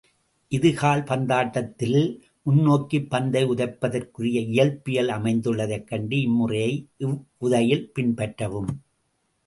இது கால் பந்தாட்டத்தில் முன்னோக்கிப் பந்தை உதைப்பதற்குரிய இயல்பில் அமைந்துள்ளதைக் கண்டு, இம்முறையை இவ்வுதையில் பின்பற்றவும்.